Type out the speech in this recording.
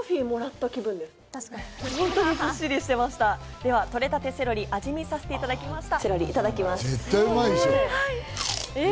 では取れたてセロリを味見させていただきました。